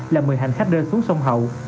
là một mươi hành khách rơi xuống sông hậu